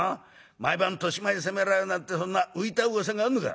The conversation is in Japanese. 毎晩年増にせめられるなんてそんな浮いたうわさがあんのか？」。